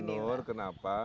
kalau saya gubernur kenapa